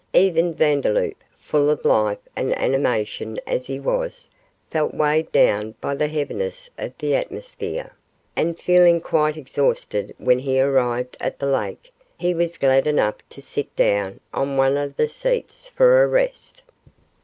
Even Vandeloup, full of life and animation as he was, felt weighed down by the heaviness of the atmosphere, and feeling quite exhausted when he arrived at the lake, he was glad enough to sit down on one of the seats for a rest.